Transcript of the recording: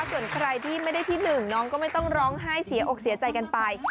ส่วนใครที่ไม่ได้ที่หนึ่งน้องก็ไม่ต้องร้องไห้เสียอกเสียใจกันไป